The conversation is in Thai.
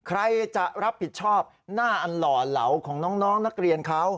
ใครจะรับผิดชอบหน้าอันหล่อเหลาของน้องนักเรียนเขา